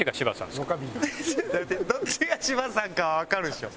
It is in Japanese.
やめてどっちが芝さんかはわかるでしょ。